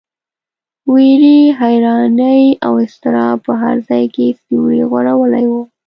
وېرې، حیرانۍ او اضطراب په هر ځای کې سیوری غوړولی و.